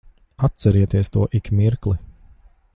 Atcerieties to ik mirkli.